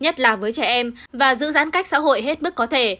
nhất là với trẻ em và giữ giãn cách xã hội hết mức có thể